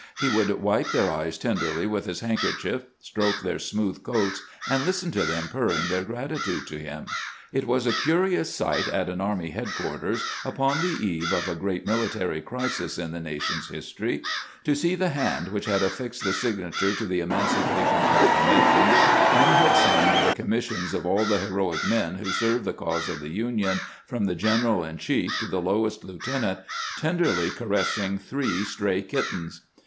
He would wipe their eyes tenderly with his handker chief, stroke their smooth coats, and listen to them purring their gratitude to him. It was a curious sight at an army headquarters, upon the eve of a great mili tary crisis in the nation's history, to see the hand which had af&xed the signature to the Emancipation Procla mation, and had signed the commissions of all the heroic men who served the cause of the Union, from the general in chief to the lowest lieutenant, tenderly caress ing three stray kittens.